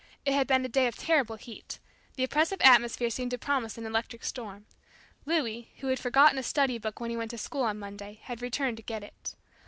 It had been a day of terrible heat. The oppressive atmosphere seemed to promise an electric storm. Louis who had forgotten a study book when he went to school on Monday, had returned to get it.